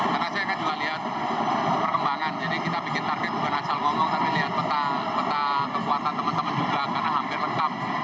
karena saya kan juga lihat perkembangan jadi kita bikin target bukan asal ngomong tapi lihat peta kekuatan teman teman juga karena hampir lengkap